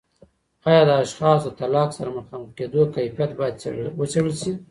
آیا د اشخاصو د طلاق سره مخامخ کیدو کیفیت باید څیړل سي؟